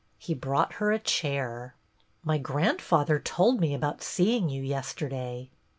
He brought her a chair. " My grandfather told me about seeing you yesterday."